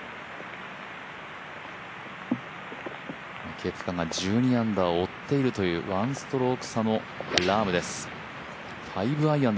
ケプカが１２アンダーを追っているという１ストローク差のラームです。